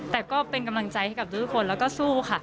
แต่ก็เป็นกำลังใจให้กับทุกคนแล้วก็สู้ค่ะ